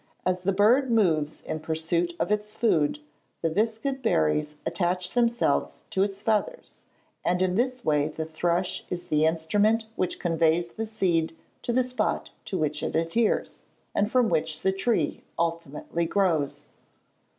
As the bird moves in pursuit of its food, the viscid berries attach themselves to its feathers, and in this way the thrush is the instrument which conveys the seed to the spot to which it adheres, and from which the tree ultimately grows.